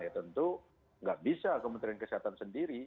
ya tentu nggak bisa kementerian kesehatan sendiri